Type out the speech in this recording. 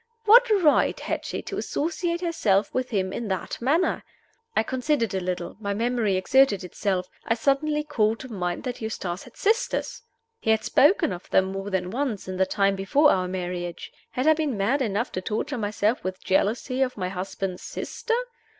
What right had she to associate herself with him in that manner? I considered a little my memory exerted itself I suddenly called to mind that Eustace had sisters. He had spoken of them more than once in the time before our marriage. Had I been mad enough to torture myself with jealousy of my husband's sister?